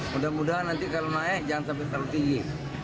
mudah mudahan nanti kalau naik jangan sampai terlalu tinggi